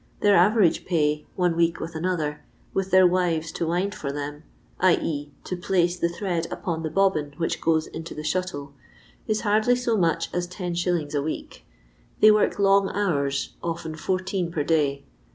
Their average pay, one week with another, with their wives to wind for them —».€., to place the thread upon the bobbin which goes into the shuttle — is hardly so much as 10«. a week. They work long hours, often fourteen per day.